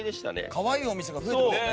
かわいいお店が増えてますね。